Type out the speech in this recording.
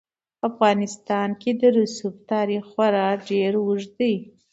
په افغانستان کې د رسوب تاریخ خورا ډېر اوږد دی.